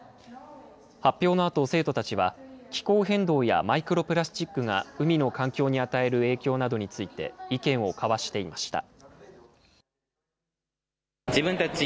発表のあと、生徒たちは気候変動やマイクロプラスチックが海の環境に与える影響などについて意見を交わしていました。